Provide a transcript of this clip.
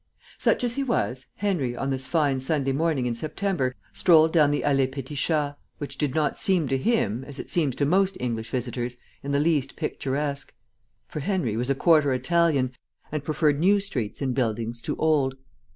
Such as he was, Henry, on this fine Sunday morning in September, strolled down the Allée Petit Chat, which did not seem to him, as it seems to most English visitors, in the least picturesque, for Henry was a quarter Italian, and preferred new streets, and buildings to old.